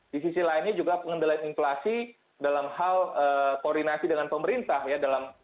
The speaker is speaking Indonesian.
di sisi lainnya juga pengendalian inflasi dalam hal koordinasi dengan pemerintah ya